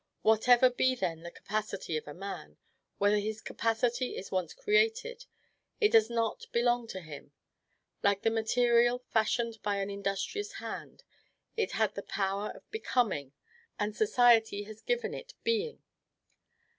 Whatever be then the capacity of a man, when this capacity is once created, it does not belong to him. Like the material fashioned by an industrious hand, it had the power of BECOMING, and society has given it BEING.